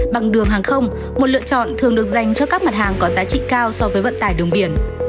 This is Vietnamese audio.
bằng đường hàng không một lựa chọn thường được dành cho các mặt hàng có giá trị cao so với vận tải đường biển